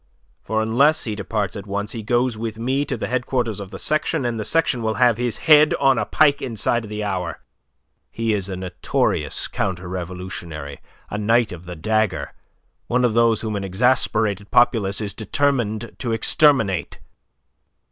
For unless he departs at once, he goes with me to the headquarters of the section, and the section will have his head on a pike inside the hour. He is a notorious counter revolutionary, a knight of the dagger, one of those whom an exasperated populace is determined to exterminate.